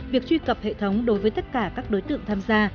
việc truy cập hệ thống đối với tất cả các đối tượng tham gia